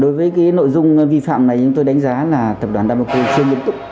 đối với nội dung vi phạm này tôi đánh giá là tập đoàn đà bà cộ chưa nghiên cứu